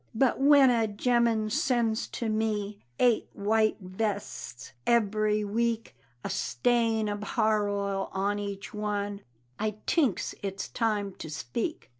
But when a gemman sends to me Eight white vests eberry week, A stain ob har oil on each one, I tinks it's time to speak.